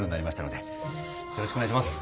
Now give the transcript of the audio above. よろしくお願いします。